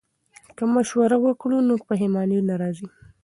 که مشوره وکړو نو پښیماني نه راځي.